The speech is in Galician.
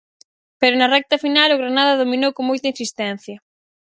Pero na recta final o Granada dominou con moita insistencia.